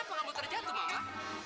kenapa kamu terjatuh mama